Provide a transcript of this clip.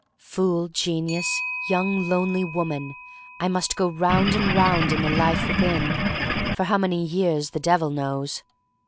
Fool, genius, young lonely woman — I must go round and round in the life within, for how many years the Devil knows.